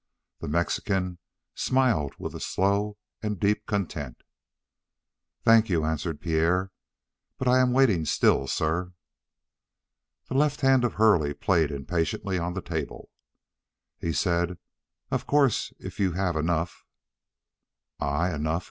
The Mexican smiled with a slow and deep content. "Thank you," answered Pierre, "but I am waiting still, sir." The left hand of Hurley played impatiently on the table. He said: "Of course, if you have enough " "I enough?"